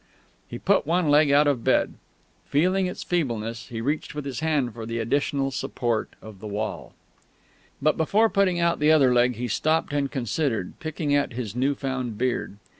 He put one leg out of bed. Feeling its feebleness, he reached with his hand for the additional support of the wall.... But before putting out the other leg he stopped and considered, picking at his new found beard.